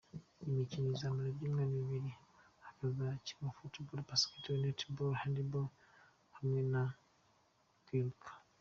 Iyo mikino izamara ibyumweru bibiri, hakazakinwa Football, Basketball, Netball, handball hamwe no kwiruka.